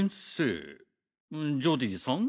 ジョディさん？